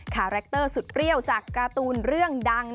คาแรคเตอร์สุดเปรี้ยวจากการ์ตูนเรื่องดัง